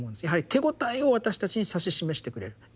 やはり手応えを私たちに指し示してくれる。